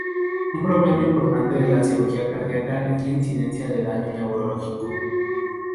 Un problema importante de la cirugía cardíaca es la incidencia de daño neurológico.